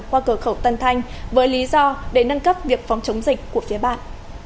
qua cửa khẩu tân thanh với lý do để nâng cấp việc phòng chống dịch của phía bạn